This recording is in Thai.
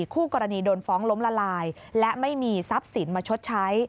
คู่กรณีโดนฟ้องล้มละลายและไม่มีทรัพย์สินมาชดใช้